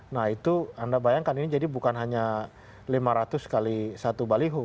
nah itu anda bayangkan ini jadi bukan hanya lima ratus kali satu baliho